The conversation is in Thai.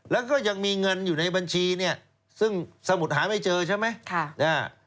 แล้วก็ยังมีเงินอยู่ในบัญชีเนี่ยซึ่งสมุดหาไม่เจอใช่ไหม